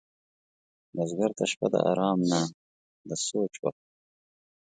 بزګر ته شپه د آرام نه، د سوچ وخت وي